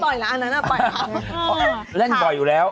เพราะเธอเล่นบ่อยอยู่แล้ว